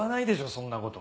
そんなこと。